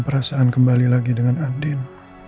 perasaan kembali lagi dengan andin